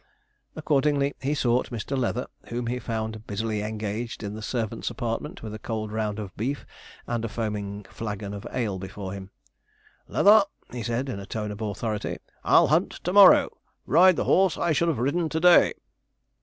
Accordingly he sought Mr. Leather, whom he found busily engaged in the servants' apartment, with a cold round of beef and a foaming flagon of ale before him. 'Leather,' he said, in a tone of authority, 'I'll hunt to morrow ride the horse I should have ridden to day.'